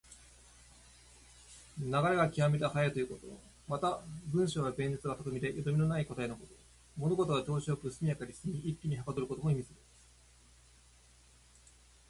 流れが極めて速いということ。また、文章や弁舌が巧みでよどみのないことのたとえ。物事が調子良く速やかに進み、一気にはかどることも意味する。